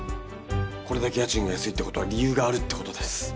これだけ家賃が安いってことは理由があるってことです。